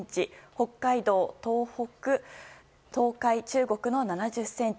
北海道、東北、東海、中国の７０ｃｍ